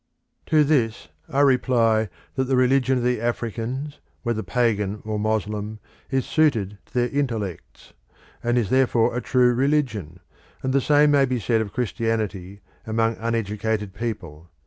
To this I reply that the religion of the Africans, whether pagan or Moslem, is suited to their intellects, and is therefore a true religion; and the same may be said of Christianity among uneducated people.